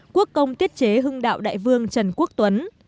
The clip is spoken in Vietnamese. quốc công tiết chế hưng đạo đại vương trần quốc tuấn